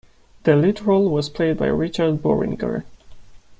The lead role was played by Richard Bohringer.